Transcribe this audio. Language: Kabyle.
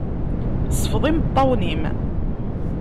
Sfeḍ imeṭṭawen-im.